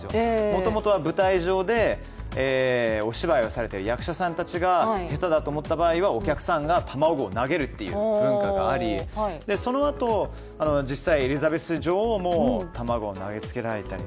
もともとは舞台上で、お芝居をされた役者さんを下手だと思った場合はお客さんが卵を投げるという文化がありそのあと、実際、エリザベス女王も卵を投げつけられたり。